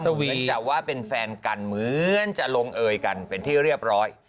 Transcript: เหมือนกับว่าเป็นแฟนกันเหมือนจะลงเอยกันเป็นที่เรียบร้อย